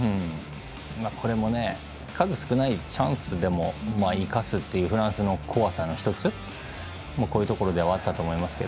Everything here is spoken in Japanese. これも数少ないチャンスでも生かすっていうフランスの怖さの１つもこういうところではあったと思います。